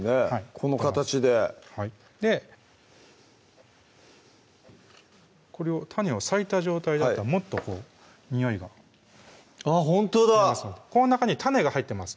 この形ではいでこれを種を割いた状態だったらもっとこうにおいがあっほんとだこの中に種が入ってます